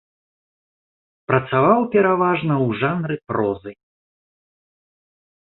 Працаваў пераважна ў жанры прозы.